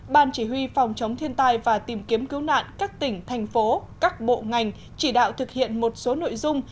ban chỉ huy phòng chống thiên tai và tìm kiếm cứu nạn các tỉnh thành phố các bộ ngành chỉ đạo thực hiện một số nội dung